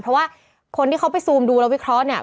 เพราะว่าคนที่เขาไปซูมดูแล้ววิเคราะห์เนี่ย